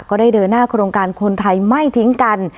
ก็ได้เดินหน้าโครงการคนไทยไม่ทิ้งกัน